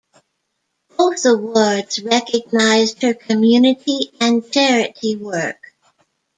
Both awards recognised her community and charity work.